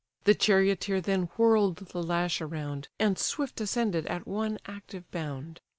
The charioteer then whirl'd the lash around, And swift ascended at one active bound.